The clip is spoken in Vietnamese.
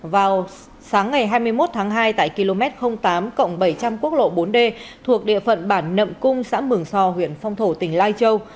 vào sáng ngày hai mươi một tháng hai tại km tám bảy trăm linh quốc lộ bốn d thuộc địa phận bản nậm cung xã mường so huyện phong thổ tỉnh lai châu